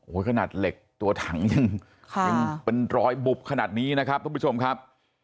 ขนาดเหล็กตัวถังยังเป็นรอยบุบขนาดนี้นะครับทุกผู้ชมครับ